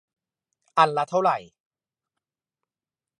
อันละเท่าไหร่